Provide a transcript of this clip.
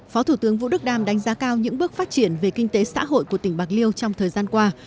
phó thủ tướng vũ đức đam đánh giá cao những bước phát triển về kinh tế xã hội của tỉnh bạc liêu trong thời gian qua